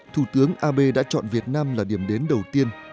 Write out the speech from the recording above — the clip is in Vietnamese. thủ tướng abe đã chọn việt nam là điểm đến đầu tiên